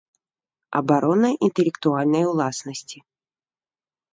Абарона iнтэлектуальнай уласнасцi.